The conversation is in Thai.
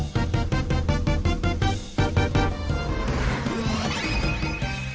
โปรดติดตามตอนต่อไป